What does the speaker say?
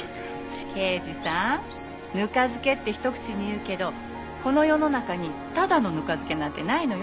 刑事さんぬか漬けってひと口に言うけどこの世の中にただのぬか漬けなんてないのよ。